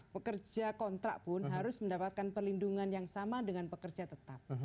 pekerja kontrak pun harus mendapatkan perlindungan yang sama dengan pekerja tetap